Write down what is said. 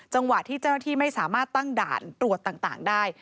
จังหวะที่เจ้าหน้าที่ไม่สามารถตั้งด่านตรวจต่างได้